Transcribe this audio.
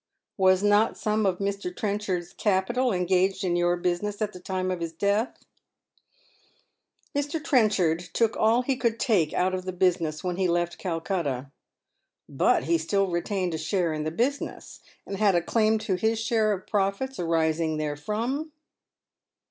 " Was not some of Mr. Trenchard's capital engaged in your business at the time of his death ?"" Mr. Trenchard took all he could take out of the business when he left Calcutta." *' But he still retained a share in the business, and had a claim to his share of profits arising therefrom